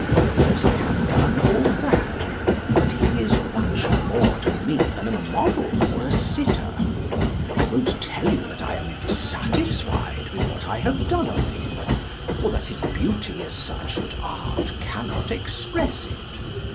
Of course I have done all that. But he is much more to me than a model or a sitter. I won't tell you that I am dissatisfied with what I have done of him, or that his beauty is such that Art cannot express it.